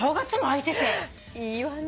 いいわね。